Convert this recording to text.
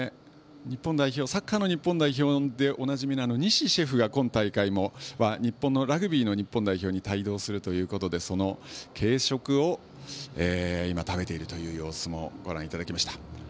サッカーの日本代表でおなじみの西シェフが今大会もラグビーの日本代表に帯同するということでその軽食を今、食べているという様子もご覧いただきました。